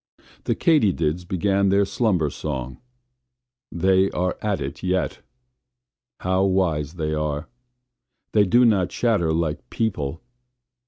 The katydids began their slumber song: they are at it yet. How wise they are. They do not chatter like people.